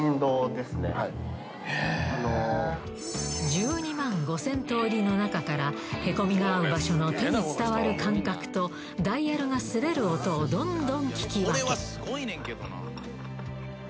「１２万５，０００とおりの中からへこみの合う場所の手に伝わる感覚とダイヤルが擦れる音をどんどん聞き分け」